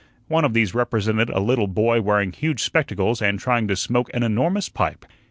One of these represented a little boy wearing huge spectacles and trying to smoke an enormous pipe.